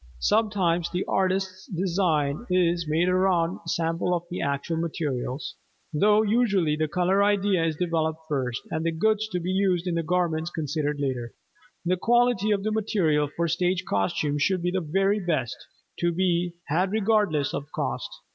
Sometimes the artist's design is made around a sample of the actual materials, though usually the color idea is developed first and the goods to be used in the garments considered later. The quality of the material for stage costumes should be the very best to be had regardless of cost.